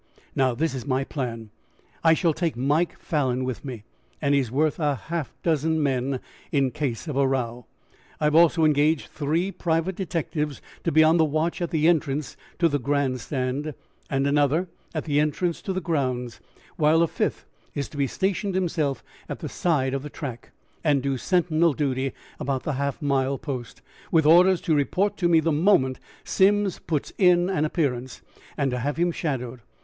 Now, this is my plan. I shall take Mike Falan with me, and he is worth half a dozen men in the case of a row. I have also engaged three private detectives to be on the watch at the entrance to the Grand Stand, and another at the entrance to the grounds, while a fifth is to station himself at the side of the track, and do sentinel duty about the half mile post, with orders to report to me the moment Simms puts in an appearance, and to have him shadowed.